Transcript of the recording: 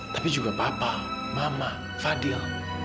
tapi juga papa mama fadil